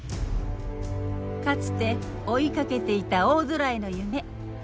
かつて追いかけていた大空への夢。